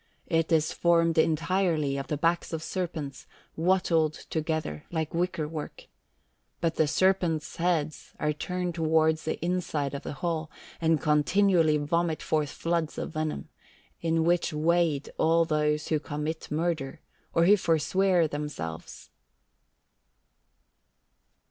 It is formed entirely of the backs of serpents, wattled together like wicker work. But the serpents' heads are turned towards the inside of the hall, and continually vomit forth floods of venom, in which wade all those who commit murder, or who forswear themselves."